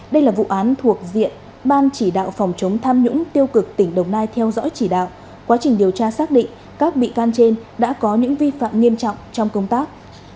đây là vụ án thuộc diện ban chỉ đạo phòng chống tham nhũng tiêu cực tỉnh đồng nai theo dõi chỉ đạo quá trình điều tra xác định các bị can trên đã có những vi phạm nghiêm trọng trong công tác